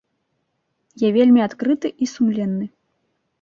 Я вельмі адкрыты і сумленны.